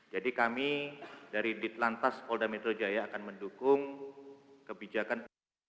jadi kami dari ditelantas polda metro jaya akan mendukung kebijakan